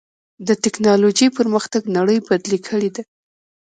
د ټکنالوجۍ پرمختګ نړۍ بدلې کړې ده.